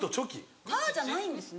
パじゃないんですね。